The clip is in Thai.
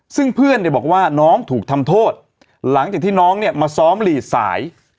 ซึ่งเพื่อนเนี่ยบอกว่าน้องถูกทำโทษหลังจากที่น้องเนี่ยมาซ้อมหลีดสาย